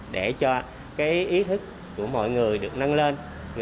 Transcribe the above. để cho ý thức của mọi người được nâng lên